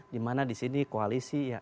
dimana disini koalisi